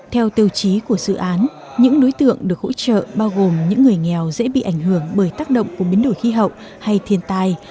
theo tiêu chí của dự án những đối tượng được hỗ trợ bao gồm những người nghèo dễ bị ảnh hưởng bởi tác động của biến đổi khí hậu hay thiền tài